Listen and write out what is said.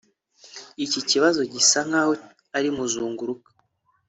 Iki kibazo gisa nkaho ari muzunguruka